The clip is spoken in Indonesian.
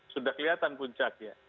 sudah kelihatan puncaknya